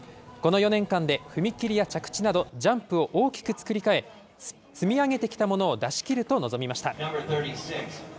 この４年間で踏み切りや着地など、ジャンプを大きく作り替え、積み上げてきたものを出し切ると臨みました。